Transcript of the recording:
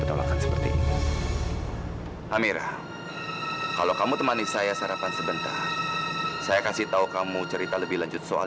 penolakan seperti amirah kalau kamu temani saya sarapan sebentar saya kasih tahu kamu cerita lebih lanjut soal